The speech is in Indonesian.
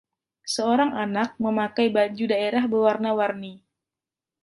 Seorang anak memakai baju daerah berwarna-warni